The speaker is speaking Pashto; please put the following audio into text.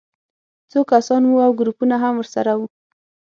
څو کسان وو او ګروپونه هم ورسره وو